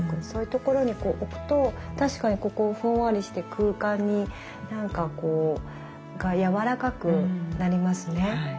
そういうところにこう置くと確かにここふんわりして空間になんかこうやわらかくなりますね。